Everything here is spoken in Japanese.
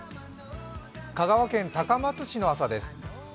香川県高松市の朝です。